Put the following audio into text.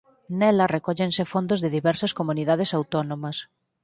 Nela recóllense fondos de diversas comunidades autónomas.